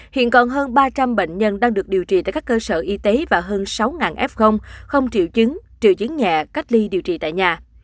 hiện còn hơn ba trăm linh bệnh nhân đang được điều trị tại các cơ sở y tế và hơn sáu f không triệu chứng triệu chứng nhẹ cách ly điều trị tại nhà